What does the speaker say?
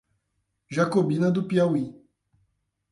Jacobina do Piauí